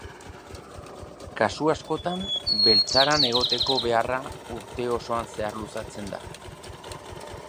Kasu askotan, beltzaran egoteko beharra urte osoan zehar luzatzen da.